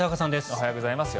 おはようございます。